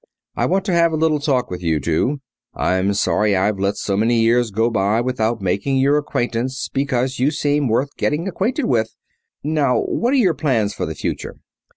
"I want to have a little talk with you two. I'm sorry I've let so many years go by without making your acquaintance, because you seem worth getting acquainted with. Now, what are your plans for the future?"